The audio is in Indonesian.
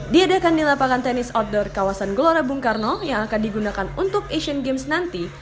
diadakan di lapangan tenis outdoor kawasan gelora bung karno yang akan digunakan untuk asian games nanti